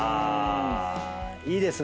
いいですね。